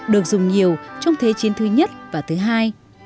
được dùng nhiều trong thế chiến thứ nhất và thứ hai